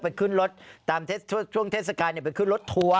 ไปขึ้นรถทัวร์